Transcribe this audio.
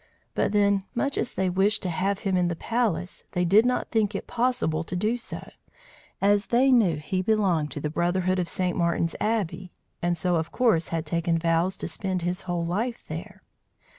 But then, much as they wished to have him in the palace, they did not think it possible to do so, as they knew he belonged to the brotherhood of St. Martin's Abbey, and so of course had taken vows to spend his whole life there.